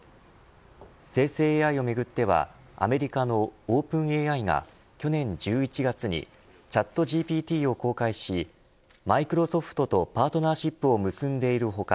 生成ＡＩをめぐってはアメリカのオープンＡＩが去年１１月にチャットＧＰＴを公開しマイクロソフトとパートナーシップを結んでいる他